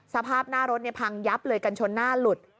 สภาพหน้ารถพังยับเลยกันชนหน้าหลุด